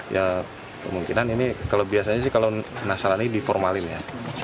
ya kemungkinan ini kalau biasanya sih kalau penasaran ini diformalin ya